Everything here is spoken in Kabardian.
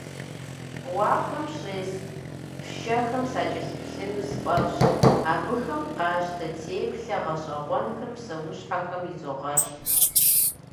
Уафэм щес пшэхэм сакӀэлъыплъыну сфӀэфӀщ, абыхэм къащтэ теплъэ гъэщӀэгъуэнхэр псэущхьэхэм изогъэщхь.